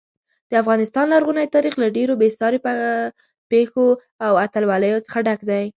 د افغانستان لرغونی تاریخ له ډېرو بې ساري پیښو او اتلولیو څخه ډک دی.